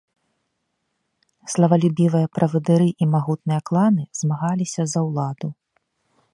Славалюбівыя правадыры і магутныя кланы змагаліся за ўладу.